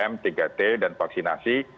tiga m tiga t dan vaksinasi